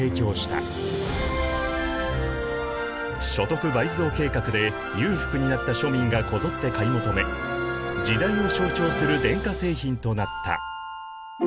所得倍増計画で裕福になった庶民がこぞって買い求め時代を象徴する電化製品となった。